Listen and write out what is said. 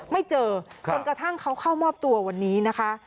ไม่เจอจนกระทั่งเขาเข้ามอบตัววันนี้นะคะ